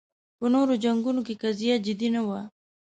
په نورو جنګونو کې قضیه جدي نه وه